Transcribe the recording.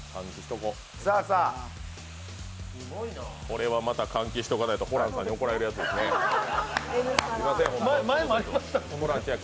これはまた換気しとかないとホランさんに怒られるやつや。